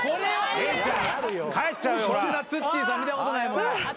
こんなツッチーさん見たことないもん。